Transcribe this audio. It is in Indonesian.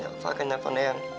alva akan telepon yang